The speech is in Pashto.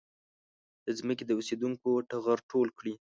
د ځمکې د اوسېدونکو ټغر ټول کړي.